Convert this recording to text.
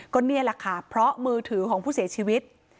ก็นี่แหละค่ะเพราะมือถือของผู้เสียชีวิต